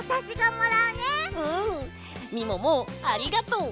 うんみももありがとう。